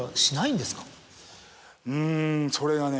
うんそれがね